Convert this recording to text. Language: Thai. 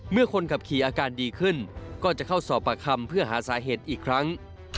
เมื่อคนขับขี่อาการดีขึ้นก็จะเข้าสอบปากคำเพื่อหาสาเหตุอีกครั้ง